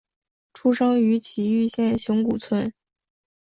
出生于崎玉县熊谷市。